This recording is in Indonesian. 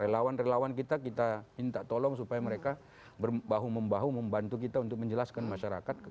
relawan relawan kita kita minta tolong supaya mereka bahu membahu membantu kita untuk menjelaskan masyarakat